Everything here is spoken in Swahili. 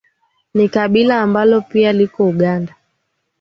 ni kabila ambalo pia liko Uganda